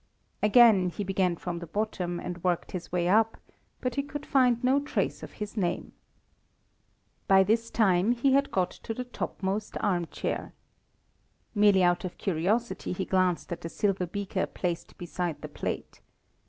Again he began from the bottom and worked his way up, but he could find no trace of his name. By this time he had got to the topmost armchair. Merely out of curiosity he glanced at the silver beaker placed beside the plate.